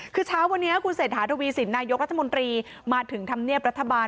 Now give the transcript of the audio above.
คือเช้าวันนี้คุณเศรษฐาทวีสินนายกรัฐมนตรีมาถึงธรรมเนียบรัฐบาล